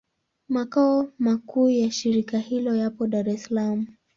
Makao makuu ya shirika hilo yapo Dar es Salaam.